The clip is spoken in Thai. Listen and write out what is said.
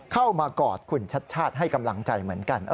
กอดคุณชัดชาติให้กำลังใจเหมือนกัน